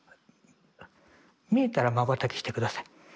見えたらまばたきして下さい。